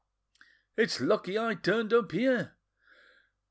It's lucky I turned up here!